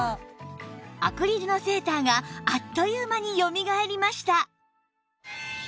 アクリルのセーターがあっという間によみがえりました